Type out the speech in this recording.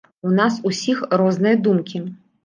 У нас усіх розныя думкі.